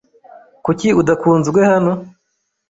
Kuki udakunzwe hano?